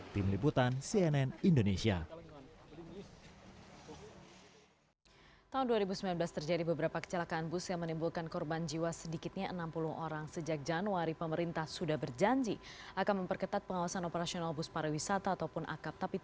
tim liputan cnn indonesia